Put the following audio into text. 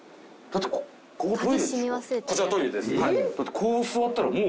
こう座ったらもう。